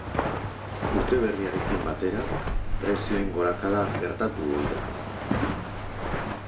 Urte berriarekin batera, prezioen gorakada gertatu ohi da.